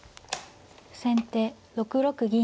先手６六銀。